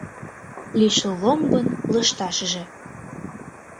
Лишыл ломбын лышташыже